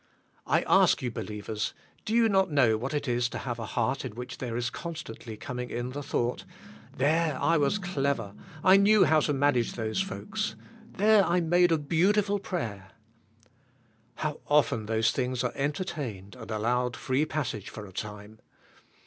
I ask you believers, do not you know what it is to have a heart in which there is constantly coming in the thought, " There I was clever. I knew how to manage those folks. There I made a beautiful prayer, " How often those things are entertained and allowed free passage for a time.